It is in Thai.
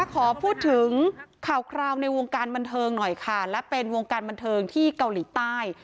ขอพูดถึงข่าวคราวในวงการบันเทิงหน่อยค่ะและเป็นวงการบันเทิงที่เกาหลีใต้